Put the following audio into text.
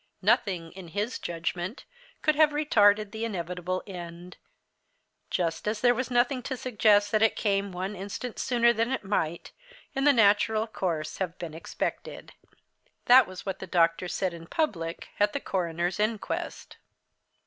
Nothing, in his judgment, could have retarded the inevitable end; just as there was nothing to suggest that it came one instant sooner than might, in the natural course, have been expected. That was what the doctor said in public, at the coroner's inquest.